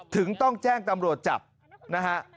ถึงต้องแจ้งตำรวจจับนะฮะ